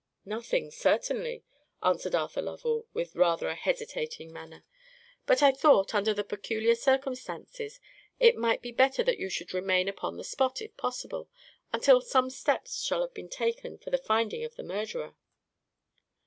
"Nothing, certainly," answered Arthur Lovell, with rather a hesitating manner; "but I thought, under the peculiar circumstances, it might be better that you should remain upon the spot, if possible, until some steps shall have been taken for the finding of the murderer."